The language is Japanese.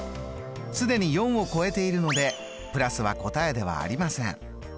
既に４を超えているのでプラスは答えではありません。